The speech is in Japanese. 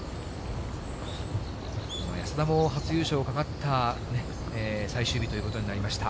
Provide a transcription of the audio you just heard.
安田も初優勝かかった最終日ということになりました。